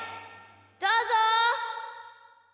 どうぞ！